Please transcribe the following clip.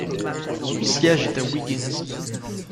Son siège est Wiggins.